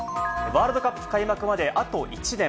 ワールドカップ開幕まであと１年。